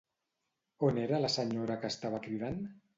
On era la senyora que estava cridant?